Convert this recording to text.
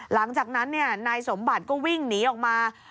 หลังจากนั้นนายสมบัติก็วิ่งหนีออกมา